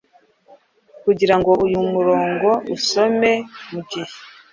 kugirango uyu murongo usomeMugihe